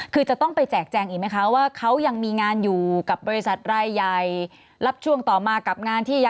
คือจะต้องไปแจกแจงอีกไหมคะว่าเขายังมีงานอยู่กับบริษัทรายใหญ่